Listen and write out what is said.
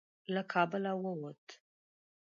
له کابله ووت.